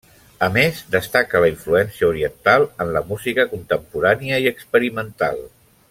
A més, destaca la influència oriental en la música contemporània i experimental.